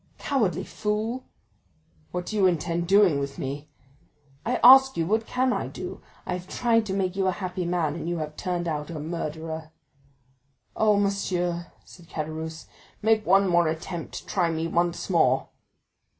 "Cowardly fool!" "What do you intend doing with me?" "I ask you what can I do? I have tried to make you a happy man, and you have turned out a murderer." "Oh, monsieur," said Caderousse, "make one more attempt—try me once more!"